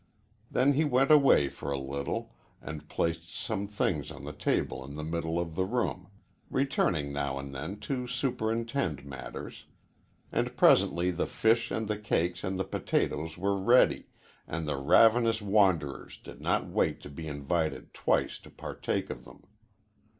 Then he went away for a little and placed some things on the table in the middle of the room, returning now and then to superintend matters. And presently the fish and the cakes and the potatoes were ready, and the ravenous wanderers did not wait to be invited twice to partake of them.